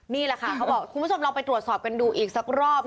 นี่แหละค่ะคุณผู้สม